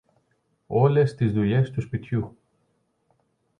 Όλες τις δουλειές του σπιτιού.